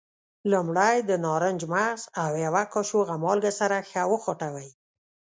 لومړی د نارنج مغز او یوه کاشوغه مالګه سره ښه وخوټوئ.